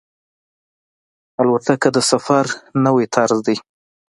الوتکه د سفر نوی طرز دی.